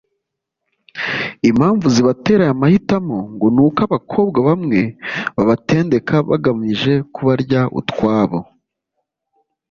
Impamvu zibatera aya mahitamo ngo ni uko abakobwa bamwe ba batendeka bagamije kubarya utwabo